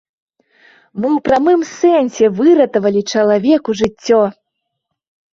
Мы ў прамым сэнсе выратавалі чалавеку жыццё.